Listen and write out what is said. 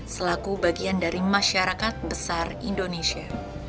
selaku bagian dari masyarakat besar indonesia